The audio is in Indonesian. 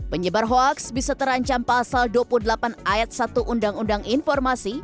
penyebar hoax bisa terancam pasal dua puluh delapan ayat satu undang undang informasi